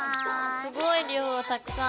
すごい量たくさん！